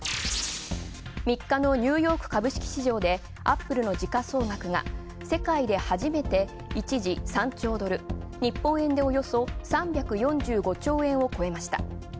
３日のニューヨーク株式市場でアップルの時価総額が世界で初めて、一時３兆ドル日本円でおよそ３４５兆円を超えました。